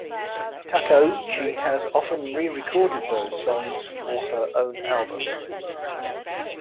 Takeuchi has often re-recorded those songs for her own album.